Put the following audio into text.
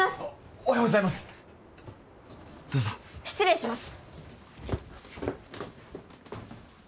おはようございますどうぞ失礼します